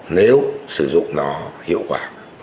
nếu sử dụng nó hiệu quả